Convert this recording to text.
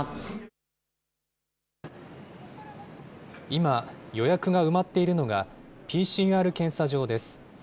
今、予約が埋まっているのが、ＰＣＲ検査場です。